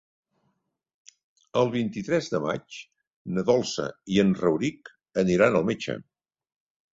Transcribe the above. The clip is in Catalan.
El vint-i-tres de maig na Dolça i en Rauric aniran al metge.